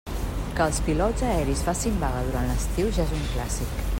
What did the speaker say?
Que els pilots aeris facin vaga durant l'estiu, ja és un clàssic.